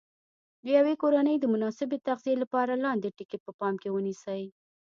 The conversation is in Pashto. د یوې کورنۍ د مناسبې تغذیې لپاره لاندې ټکي په پام کې ونیسئ.